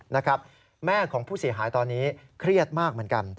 นะครับแม่ของผู้เสียหายตอนนี้เครียดมากเหมือนกัน